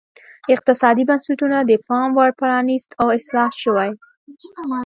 اقتصادي بنسټونه د پاموړ پرانیست او اصلاح شوي.